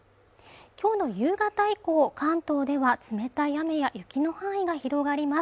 今日の夕方以降関東では冷たい雨や雪の範囲が広がります